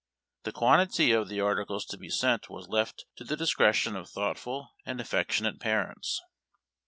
The quantity of the articles to be sent was left to the discretion of thoughtful and affectionate parents.